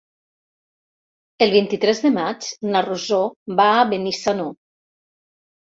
El vint-i-tres de maig na Rosó va a Benissanó.